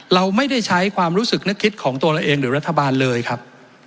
เราไม่ได้ใช้ความรู้สึกนึกคิดของตัวเราเองหรือรัฐบาลเลยครับ